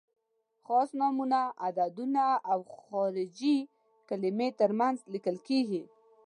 خاص نومونه، عددونه او خارجي کلمې تر منځ لیکل کیږي.